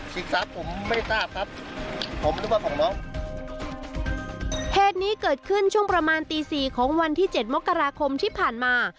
ศึกษาผมไม่ทราบครับผมนึกว่าของน้องเหตุนี้เกิดขึ้นช่วงประมาณตีสี่ของวันที่เจ็ดมกราคมที่ผ่านมา